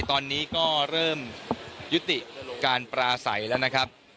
ตอนนี้ก็เริ่มยุติการปราศัยแล้วนะครับ